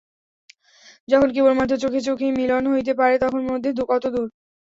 যখন কেবল মাত্র চোখে চোখেই মিলন হইতে পারে তখন মধ্যে কত দূর!